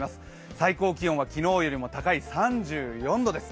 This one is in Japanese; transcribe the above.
最高気温は昨日よりも高い３４度です。